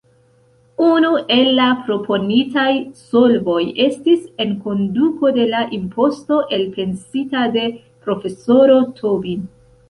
Unu el la proponitaj solvoj estis enkonduko de la imposto elpensita de profesoro Tobin.